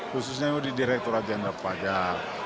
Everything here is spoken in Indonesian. khususnya di direktur raja angga pajak